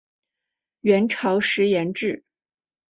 元朝时沿置。